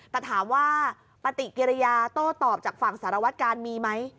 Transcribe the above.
แต่ถามว่าปฏิกิริยาโต้ตอบจากฝั่งสารวัตการมีไหม